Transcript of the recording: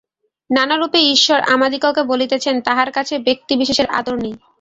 নানারূপে ঈশ্বর আমাদিগকে বলিতেছেন, তাঁহার কাছে ব্যক্তিবিশেষের আদর নাই।